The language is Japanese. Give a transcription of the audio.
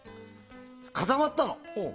固まったの。